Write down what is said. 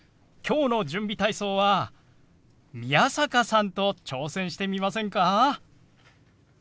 今日の準備体操は宮坂さんと挑戦してみませんか？